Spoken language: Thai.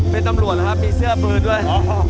เป็นตำรวจเหรอครับมีเสื้อปืนด้วย